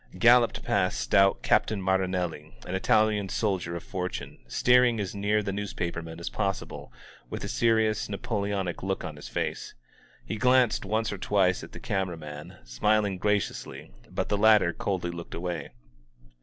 Galloped past stout Captain Marinelli, the Italian soldier of fortune, steering as near the newspapermen as possible, with a serious, Napoleonic look on his face* He glanced once or twice at the camera man, smiling graciously, but the latter coldly looked away.